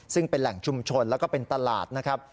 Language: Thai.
ซึ่งเป็นแหล่งชุมชนแล้วก็เป็นตลาดนะครับ